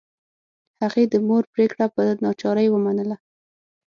هغې د مور پریکړه په ناچارۍ ومنله